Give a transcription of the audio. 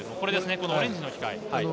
オレンジの機械。